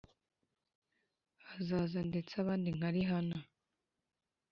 hakaza ndetse abandi nka Rihana